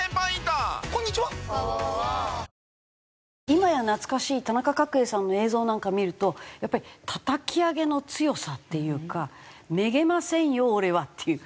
今や懐かしい田中角栄さんの映像なんか見るとやっぱりたたき上げの強さっていうか「めげませんよ俺は」っていう。